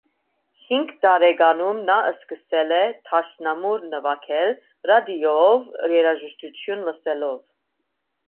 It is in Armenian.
Հինգ տարեկանում նա սկսել է դաշնամուր նվագել՝ ռադիոյով երաժշտություն լսելով։